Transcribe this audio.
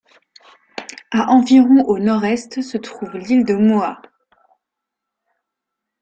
À environ au nord-est se trouve l'île de Mooa.